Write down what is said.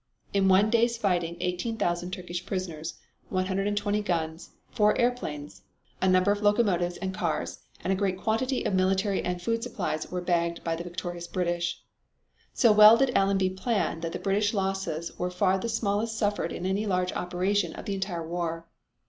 In one day's fighting 18,000 Turkish prisoners, 120 guns, four airplanes, a number of locomotives and cars, and a great quantity of military and food supplies were bagged by the victorious British. So well did Allenby plan that the British losses were far the smallest suffered in any large operation of the entire war.